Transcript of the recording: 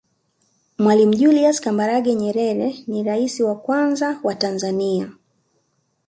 mwalimu julias kambarage nyerere ni raisi wa kwanza wa tanzania